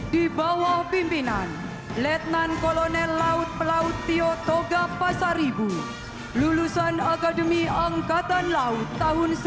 di bawah pimpinan letnan kolonel laut pelaut tio toga pasaribu lulusan akademi angkatan laut tahun seribu sembilan ratus sembilan puluh